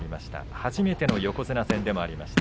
初めての横綱戦でもありました。